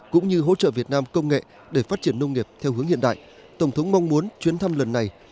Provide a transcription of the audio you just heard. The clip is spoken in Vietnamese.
cũng như hỗ trợ việt nam công nghệ để phát triển nông nghiệp theo hướng hiện đại